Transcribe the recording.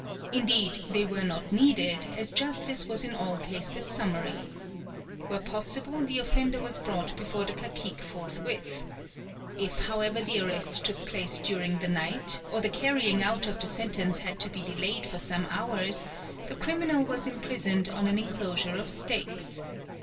Indeed they were not needed, as justice was in all cases summary. Where possible the offender was brought before the cacique forthwith. If, however, the arrest took place during the night, or the carrying out of the sentence had to be delayed for some hours, the criminal was imprisoned in an enclosure of stakes.